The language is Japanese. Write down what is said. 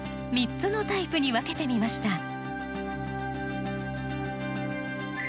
３つのタイプに分けてみました。